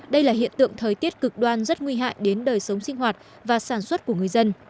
đây là hiện tượng thời tiết cực đoan rất nguy hại đến đời sống sinh hoạt và sản xuất của người dân